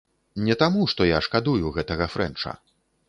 Не таму, што я шкадую гэтага фрэнча.